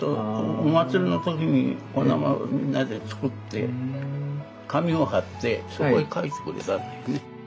お祭りの時にこんなものみんなで作って紙を貼ってそこへ書いてくれたんだよね。